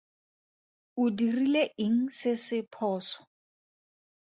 O dirile eng se se phoso?